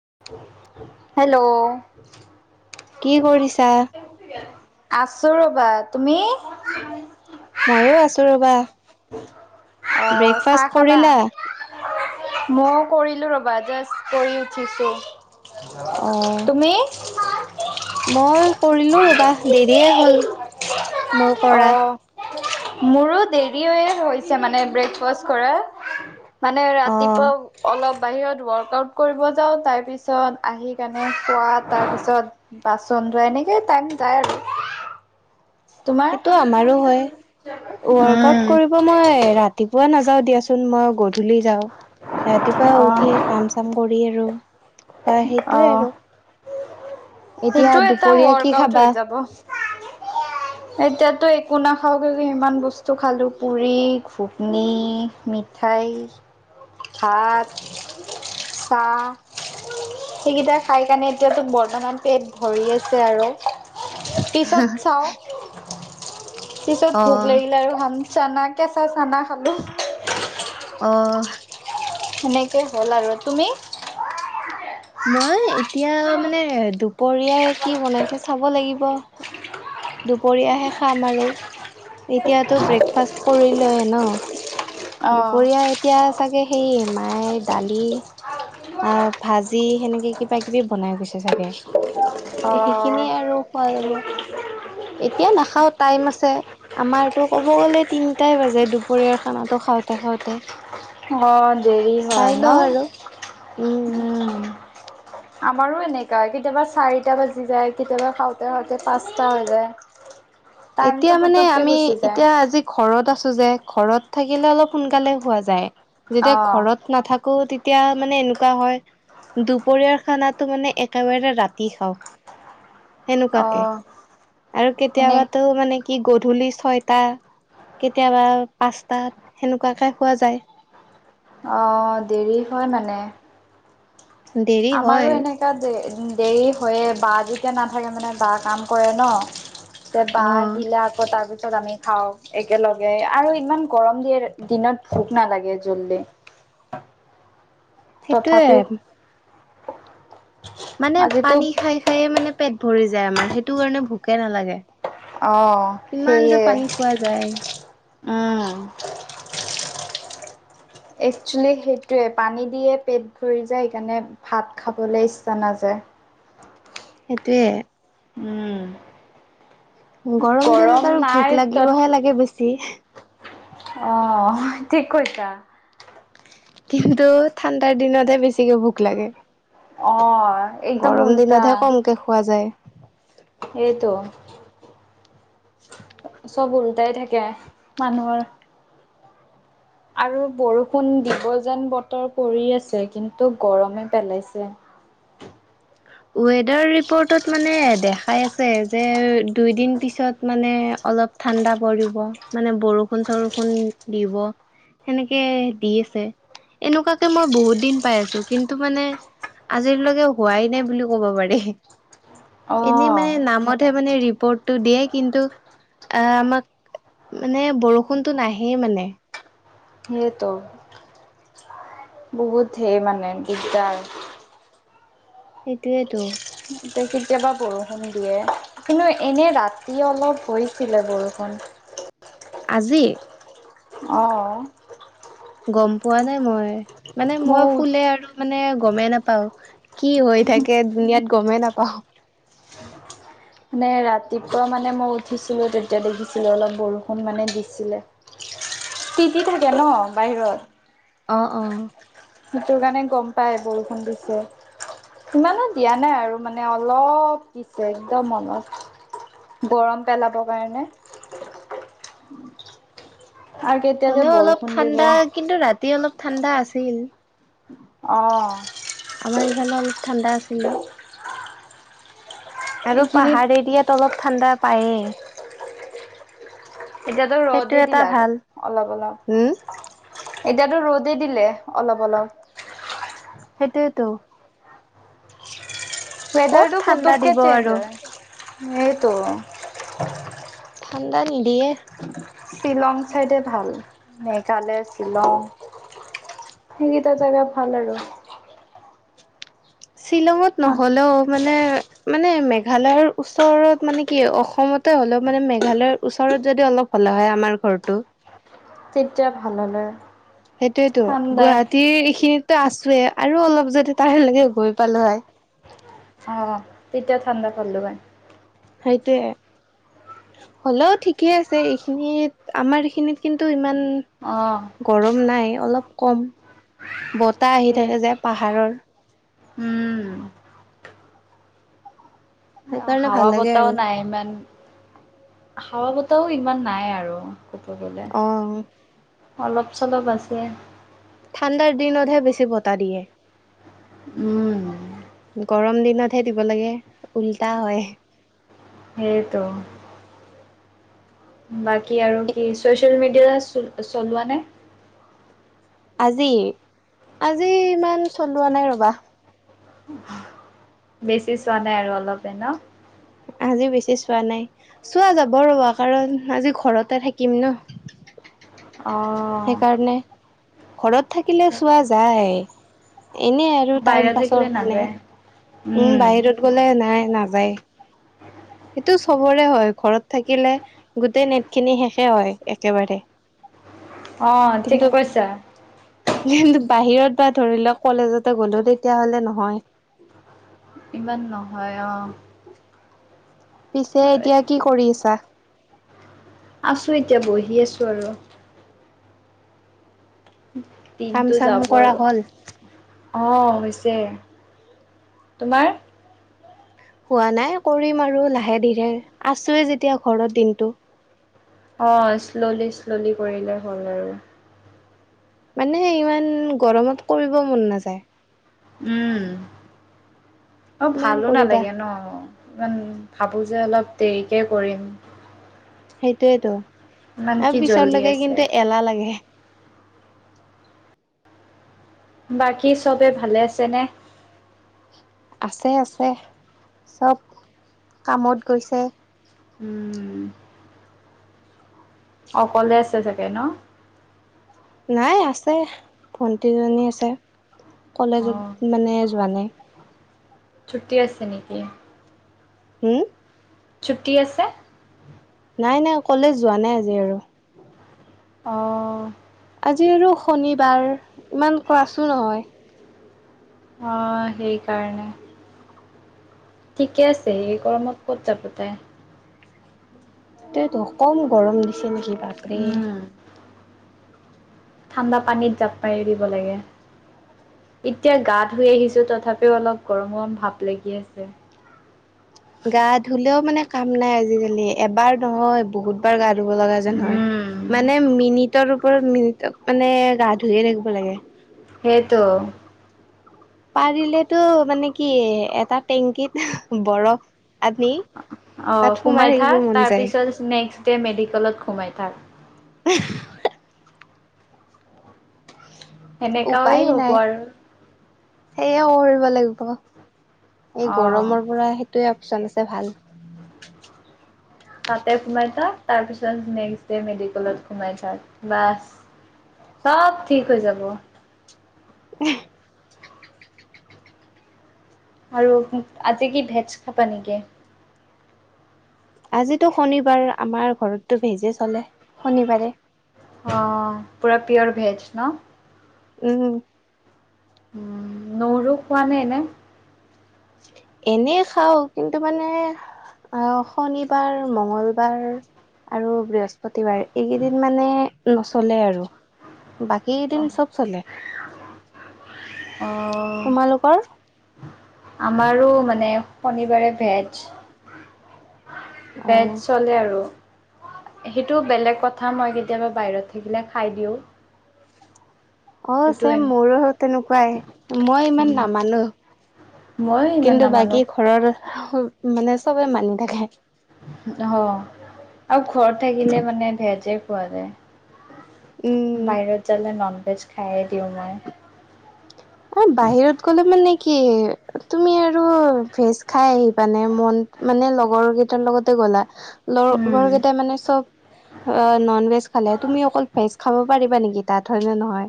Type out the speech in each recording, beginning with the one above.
Hello কি কৰিছা আছো ৰ'বা তুমি ময়ো আছো ৰবা অ ব্ৰেকফাষ্ট কৰিলা ময়ো কৰিলোঁ ৰ'বা জাষ্ট কৰি উঠিছোঁ অ', তুমি মই কৰিলো ৰবা দেৰিয়ে হ'ল মই অ কৰা মোৰো দেৰি হৈ হৈছে মানে ব্ৰেকফাষ্ট কৰাৰ মানে অ', ৰাতিপুৱা অলপ বাহিৰত ৱৰ্কআউট কৰিব যাও তাৰপিছত আহি কাণে খোৱা তাৰপিছত বাচন ধোৱা, এনেকেই টাইম যায় আৰু তোমাৰ সেইটো আমাৰো হয় ৱৰ্কআউট উম কৰিব মই ৰাতিপুৱা নাযাও দিয়াচোন মই গধূলি যাওঁ ৰাতিপুৱা অ উঠি কাম-চাম কৰি আৰু খোৱা, অ সেইটোয়ে আৰু এতিয়া সেইটো এটা দুপৰীয়া কি ৱৰ্কআউট খাবা? হৈ যাব এতিয়াতো একো নাখাও, ক্য়ুকি ইমান বস্তু খালো পুৰি, ঘুগ্নি, মিঠাই। ভাত, চাহ, সেইকেইটা খাই কাণে এতিয়াতো বৰ্তমান পেট ভৰি আছে আৰু। পিছত চাওঁ পিছত ভোক অ', লাগিলে আৰু খাম। চানা-কেঁচা চানা খালো। অ সেনেকেই হ'ল আৰু, তুমি? মই এতিয়া মানে দুপৰীয়া কি বনাইছে চাব লাগি ব দুপৰীয়াহে খাম আৰু এতিয়াতো ব্ৰেকফাষ্ট কৰিলয়ে ন অ অ দুপৰীয়া এতিয়া চাগে সেইয়ে মায়ে দালি, আ ভাজি, সেনেকে কিবা কিবি বনাই গৈছে চাগে। অ সেইখিনিয়ে আৰু খোৱা যাব। এতিয়া নাখাও টাইম আছে, আমাৰতো কব গলে তিনিটাই বাজে দুপৰীয়াৰ টো খাওঁতে-খাওঁতে। অ', দেৰি হয় ন। আৰু উম। আমাৰো এনেকা, কেতিয়াবা চাৰিটা বাজি যায় কেতিয়াবা খাওঁতে-খাওঁতে পাঁচটা হৈ যায়। টাইমটো এতিয়া মানে পুতুককে আমি, গুচি যায় এতিয়া আজি ঘৰত আছো যে ঘৰত থাকিলে অলপ সোনকালে হোৱা যায়। যেতিয়া অ ঘৰত নাথাকো, তেতিয়া মানে এনেকুৱা হয় দুপৰীয়াৰ খানাটো মানে একেবাৰে ৰাতি খাওঁ। সেনেকুৱাকে, অ', আৰু সেনে কেতিয়াবা মানে কি গধূলি ছয়টা, কেতিয়াবা পাঁচটাত, সেনেকুৱাকে খোৱা যায়। অ', দেৰি হয় মানে। দেৰি হয় আমাৰো এনেকা যে উম, দেৰি হয়ে, বা যেতিয়া নাথাকে মানে বা কাম কৰে ন, যে অ বা আহিলে আকৌ তাৰপিছত ছত আমি খাওঁ, একেলগে আৰু ইমান গৰম দিয়ে দিনত ভোক নালাগে জল্দি। সেইটোৱে। তথাপিও মানে আজিতো পানী খাই খাইে মানে পেট ভৰি যায় আমাৰ সেইটো কাৰণে ভোকে নালাগে আহ কিমান যে সেইয়ে পানী খোৱা যায় উম একচেলি সেইটোৱে পানী দিয়ে পেট ভৰি যায় সেইকাৰণে ভাত খাবলৈ ইচ্ছা নাযায় সেইটোোৱে উম গৰম দিনত আৰু নাই ভোক তত লাগিবহে লাগে বেছি অ ঠিক কৈছা কিন্তু ঠাণ্ডাৰ দিনতহে বেছিকে ভোক লাগে অ একদম গৰম দিনতহে কমকে খোৱা যায় এইটোো চব সদাই থাকে মানুহৰ আৰু বৰষুণ দিব যেন বতৰ পৰি আছে কিন্তু গৰমে পেলাইছে ৱেডাৰ ৰিপৰ্টত মানে দে পাই আছে যে দুই দিন পিছত মানে অলপ ঠাণ্ডা পৰিব মানে বৰষুণ চৰষুণ দিব সেনেকে দি আছে এনেকুৱাকে মই বহুত দিন পাই আছো কিন্তু মানে আজিলৈকে হোৱাই নাই বুলি কব পাৰি অ এনেই মানে নামতহে দিয়ে কিন্তু আমাক মানে বৰষুণটো নাহেই মানে সেইটো। বহুত সেই মানে দিগদাৰ। সেইটোয়েতো। এ কেতিয়াবা বৰষুণ দিয়ে কিন্তু এনেই ৰাতি অলপ হৈছিলে বৰষুণ। আজি। অঁ', গম পোৱা নাই মই। মানে মই ফুলে আৰু মানে গমেই নাপাওঁ। কি হৈ থাকে দুুনিয়াত গমেই নাপাওঁ। মানে ৰাতিপুৱা মানে মই উঠিছিলো তেতিয়া দেখিছিলো অলপ বৰষুণ মানে দিছিলে তিতি থাকে ন বাহিৰত। অ-অ, সেইটো কাৰণে গম পাই বৰষুণ দিছে ইমানো দিয়া নাই আৰু মানে অলপ দিছে। একদম মনত গৰম পেলাবৰ কাৰণে। উম [unintelligible] আৰু কেতিয়া যে হ'লেও অলপ বৰষুণ দিব। ঠাণ্ডা কিন্তু ৰাতি অলপ ঠাণ্ডা আছিল। অ' আমাৰ ইফালে অলপ ঠাণ্ডা আছিল। আৰু এইখিনিত পাহাৰ এৰিয়াত অলপ ঠাণ্ডা পাইয়েই। এতিয়াতো সেইটো ৰ'দে এটা দিলা আ ভাল উম অলপ-অলপ। এতিয়াতো ৰ'দেই দিলে অলপ-অলপ। সেইটোৱেতো। ওৱেদাৰটো ঠাণ্ডা পুতুকে দিব আৰু চেজন্ট হয়। সেইটো। ঠাণ্ডা নিদিয়ে। শ্বিলং ঠাইডে ভাল মেঘালয়, শ্বিলং সেইকেইটা জেগা ভাল আৰু। শ্বিলঙত নহলেও মানে মানে মেঘালয়ৰ ওচৰত মানে কি অসমতে হ'লেও মানে মেঘালয়ৰ ওচৰত যদি অলপ হলা হয় আমাৰ ঘৰটো। তেতিয়া ভাল হল হয়। সেইটোয়েতো গুৱাহাটীৰ এইখিনিত আছোৱে আৰু অলপ যদি তাৰ লকে গৈ পালো হয়। অ', তেতিয়া ঠাণ্ডা পালো হয়। সেইটোৱে হ'লেও ঠিকে আছে এইখিনিত আমাৰ এইখিনিত কিন্তু ইমান অ', গৰম নাই। অলপ কম বত তা আহি থাকে যে পাহাৰৰ। উম, সেইকাৰণে হাৱা ভাল লাগে বতাহও আৰু নাই ইমান। হাওৱা বতাও ইমান নাই আৰু। কব গলে অ [inaudible] অলপ চলপ আছে। [inaudible] ঠাণ্ডাৰ দিনতহে বেছি বতাহ দিয়ে। উম। গৰম দিনতহে দিব লাগে, উল্টা হয়। সেইটো [inaudible] বাকী আৰু কি, চচিয়েল মিডিয়া চলোৱা নে? আজি আজি ইমান চলোৱা নাই ৰবা। বেছি চোৱা নাই আৰু অলপে ন? আজি বেছি চোৱা নাই চোৱা যাব ৰবা, কাৰণ আজি ঘৰতে থাকিম ন। অ'। সেইকাৰণে। ঘৰত থাকিলে চোৱা যায়। এনেই আৰু টাইম বাহিৰত পাছৰ থাকিলে কাৰণে, নাযায়, উম বাহিৰত গ'লে নাই ন যায়। সেইটো চবৰে হয়, ঘৰত থাকিলে, গোটেই নেট খিনি শেষে হয় একেবাৰে। অ ঠিক কিন্তু কৈছা। কিন্তু বাহিৰত বা ধৰি লওক কলেজতে গ'লো তেতিয়াহলে নহয়। ইমান নহয় অ। পিছে এতিয়া কি কৰি আছা? উ [inaudible] আছো এতিয়া বহি আছো আৰু। কাম চাম কৰা হ'ল? অহ হৈছে, তোমাৰ? হোৱা নাই, কৰিম আৰু লাহে দিহে। আছোৱে যেতিয়া ঘৰত দিনতটো। অ শ্ল'লি শ্ললি কৰিলে হ'ল আৰু। মানে ইমান গৰমত কৰিব মন নাযায়। উম। অ কিমান ভালো কৰিবা। নালাগে ন, ইমান ভাবো যে অলপ। দেৰিকে কৰিম [inaudible] সেইটোৱেটো ইমান কি আৰু পিছৰ জল্দি লৈকে আছে, কিন্তু এলাহ লাগে। বাকী চবে ভালে আছেনে? আছে আছে চব কামত গৈছে। উম অকলে আছে চাগে? কে ন? নাই আছে, ভণ্টিজনী আছে। কলেজত অ', মানে যোৱা নাই। ছুট্টি আছে নেকি হোম ছুটি আছে নাই নাই কলেজ যোৱা নাই আজি আৰু অঁ আজি আৰু শনিবাৰ ইমান ক্লাছো নহয় অ সেইকাৰণে ঠিকে আছে এই গৰমত ক'ত যাব তাই সেইটোৱে তু কম গৰম নেকি লাগিছে নেকি বাপৰে উম। ঠাণ্ডা পানীত জাপ মাৰি দিব লাগে এতিয়া গা ধুই আহিছোঁ তথাপিও অলপ গৰম গৰম ভাপ লাগি আছে গা ধুলেও মানে কাম নাই আজিকালি এবাৰ নহয় বহুতবাৰ গা ধু কিব লগা যেন হয় উম মানে মিনিটৰ মিনিটত মানে গা ধুয়ে থাকিব লাগে সেইটো পাৰিলেতো মানে কি এটা টেংকিত হ বৰফ আনি অ তাত সোমাই থাকিব থাক, মন তাৰ যায় পিছত নেক্সট, দে মেডিকেলত সোমাই থাক উমহ হে এনেকা ই হ'ব আৰু, সেইয়াও কৰিব লাগিব। এই অ গৰমৰ পৰা সেইটোয়ে অপচন আছে ভাল তাতে সোমাই থাক, তাৰ পিছত নেক্স ডে মেডিকেলত সোমাই থাক বাচ চব ঠিক হৈ যাব। এহ আৰু, আজি কি ভেজ খাবা নেকি? আজিতো শনিবাৰ, আমাৰ ঘৰতটো ভেজেই চলে শনিবাৰে। অ পুৰা পিয়ৰ ভেজ ন উম উম নহৰু খোৱা নে এনে এনে খাওঁ, কিন্তু মানে আ শনিবাৰ, মঙ্গলবাৰ আৰু বৃহস্পতি বৃহস্পতিবাৰে এইকেইদিন মানে নচলে আৰু বাকীকেইদিন চব চলে। অ তোমালোকৰ? আমাৰো মানে শনিবাৰে ভেজ অ ভেজ চলে আৰু, সেইটো বেলেগ কথা মই কেতিয়াবা বাহিৰত থাকিলে খাই দিওঁ অ, সেইটো চেম এন মোৰো তেনেকুৱাই মই ইমান উম নামানো। মই ইমান কিন্তু নামানো বাকী ঘৰৰ মানে চবেই মানি থাকে। অ পোৱাৰে উম বাহিৰত গলে ননভেজ, খাই দিওঁ মই। কত বাহিৰত গ'লে মানে কি তুমি আৰু ভেজ খাই মানে মন, মানে লগ লগৰ কেইটাৰ লগতে গ'লা? ল উম গৰকেইটাই মানে চব অ নন ভেজ খালে তুমি অকল ভেজ খাব পাৰিবা নেকি তাত হয় নে নহয়।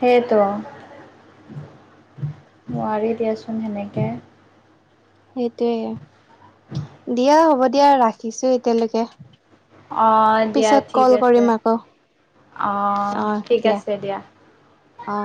সেইটো নোৱাৰি দিয়াচোন হেনেকেষ সেই তে দিয়া হ'ব। এতিয়া ৰাখিছো এতিয়ালৈকে। অ দিয়া পিছত ঠিক কল আছে। কৰিম আকৌ অ ঠিক আছে দিয়া। অ